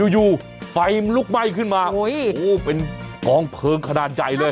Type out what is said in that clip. อยู่ไฟมันลุกไหม้ขึ้นมาโอ้โหเป็นกองเพลิงขนาดใหญ่เลย